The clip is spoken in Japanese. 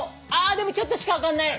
でもちょっとしか上がらない。